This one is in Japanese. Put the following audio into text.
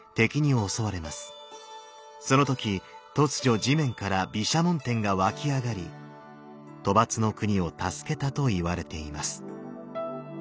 その時突如地面から毘沙門天が湧き上がり兜跋の国を助けたといわれています。